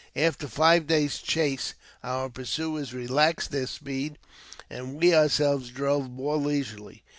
After five days' chase our pursuers relaxed their speed, and we ourselves drove more leisurely.